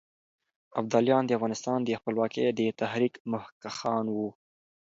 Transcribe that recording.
ابداليان د افغانستان د خپلواکۍ د تحريک مخکښان وو.